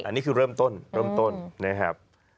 อันนี้คือเริ่มต้นเริ่มต้นนะครับ